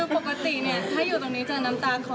คือปกติถ้าอยู่ตรงนี้เจอน้ำตาลคอ